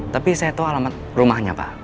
tapi saya tahu alamat rumahnya pak